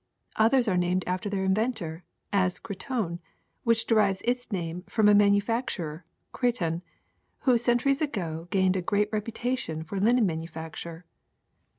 Others are named after their inventor, as Cretonne, which derives its name from a manu facturer, Creton, who centuries ago gained a great reputation for linen manufacture.